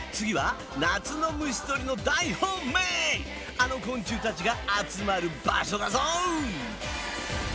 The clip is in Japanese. あの昆虫たちが集まる場所だぞ！